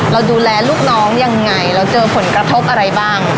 เราดูแลลูกน้องยังไงเราเจอผลกระทบอะไรบ้าง